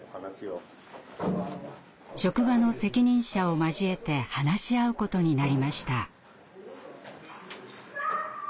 職場の責任者を交えて話し合うことになりました。